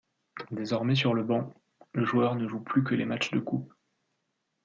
Désormais sur le banc, le joueur ne joue plus que les matches de Coupe.